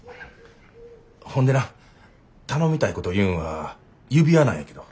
ほんでな頼みたいこというんは指輪なんやけど。